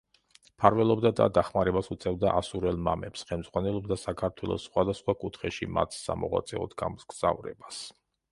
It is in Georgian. მფარველობდა და დახმარებას უწევდა ასურელ მამებს, ხელმძღვანელობდა საქართველოს სხვადასხვა კუთხეში მათს სამოღვაწეოდ გამგზავრებას.